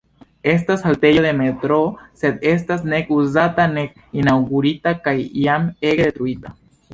Estas haltejo de metroo sed estas nek uzata nek inaŭgurita, kaj jam ege detruita.